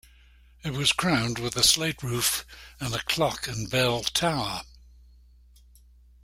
It was crowned with a slate roof and a clock and bell tower.